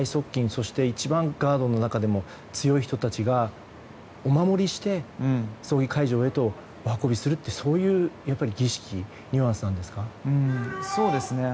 そして、一番ガードの中でも強い人たちがお守りして、葬儀会場へとお運びするという儀式ニュアンスなんですか？